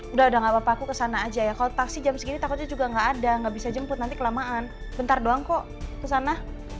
udah udah gak apa apa aku ke sana aja ya kalau taksi jam segini takutnya juga gak ada gak bisa jemput nanti kelamaan bentar doang kok ke sana